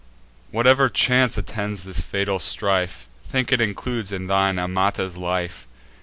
Whatever chance attends this fatal strife, Think it includes, in thine, Amata's life.